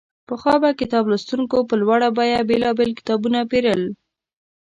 پخوا به کتاب لوستونکو په لوړه بیه بېلابېل کتابونه پېرل.